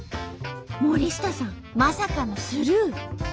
森下さんまさかのスルー。